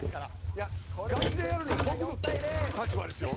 ガチでやるのは僕の立場ですよ？